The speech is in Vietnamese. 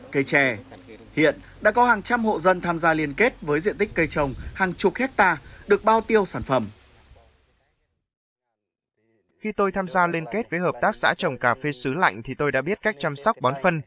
kênh kết với hợp tác xã trồng cà phê xứ lạnh thì tôi đã biết cách chăm sóc bón phân